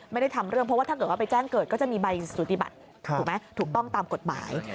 ไม่ได้ทำเรื่องเพราะว่าถ้าเกิดว่าไปแจ้งเกิดก็จะมีใบสุติบัติถูกไหมถูกต้องตามกฎหมาย